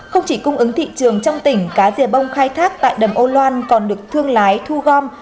không chỉ cung ứng thị trường trong tỉnh cá rìa bông khai thác tại đầm âu loan còn được thương lái thu gom